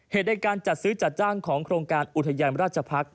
ในการจัดซื้อจัดจ้างของโครงการอุทยานราชพักษ์